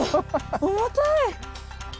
重たい！